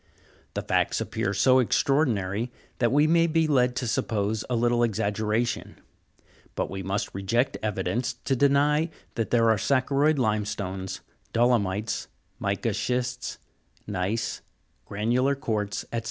The facts appear so extraordinary, that we may be led to suppose a little ex aggeration : but we must reject evidence to deny that there are saccharoid limestones, dolomites, mica schists, gneiss, granular quartz, &c.